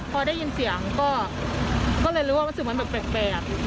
พอได้ยินเสียงก็เลยรู้ว่ามันเป็นแบบ